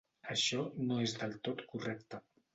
Això no és del tot correcte.